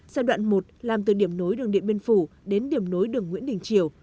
giai đoạn một làm từ điểm nối đường điện biên phủ đến điểm nối đường nguyễn đình triều